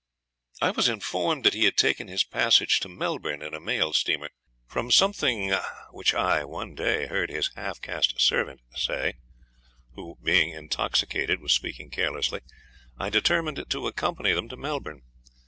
I was informed that he had taken his passage to Melbourne in a mail steamer. From something which I one day heard his half caste servant say, who, being intoxicated, was speaking carelessly, I determined to accompany them to Melbourne.